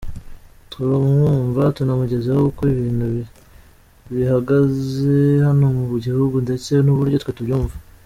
Turamwumva, tunamugezeho uko ibintu bihagaze hano mu gihugu, ndetse n’uburyo twe tubyumva.